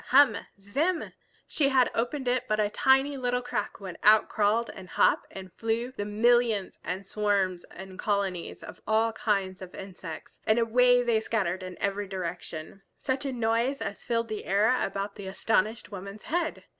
Hum! Zim! She had opened it but a tiny little crack when out crawled and hopped and flew the millions and swarms and colonies of all kinds of insects, and away they scattered in every direction. Such a noise as filled the air about the astonished woman's head!